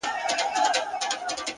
لوړ هدفونه قوي تمرکز غواړي,